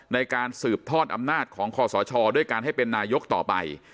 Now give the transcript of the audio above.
ในการสืบทอดอำนาจของคอสชด้วยการให้เป็นนายกต่อไป